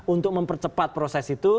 untuk mempercepat proses itu